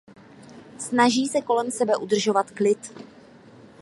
Snaží se kolem sebe udržovat klid.